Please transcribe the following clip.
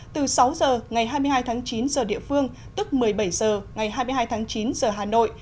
từ sáu h ngày hai mươi hai tháng chín giờ địa phương tức một mươi bảy h ngày hai mươi hai tháng chín giờ hà nội